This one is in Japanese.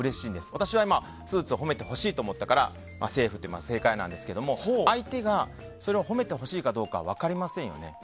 私はスーツを誉めてほしいと思ったから正解なんですが相手がそれをほめてほしいかどうか分かりませんよね。